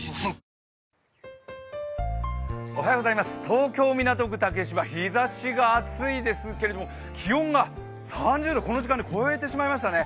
東京・港区竹芝、日ざしが暑いですけれども、気温が３０度、この時間で超えてしまいましたね。